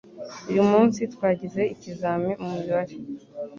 Uyu munsi twagize ikizamini mu mibare.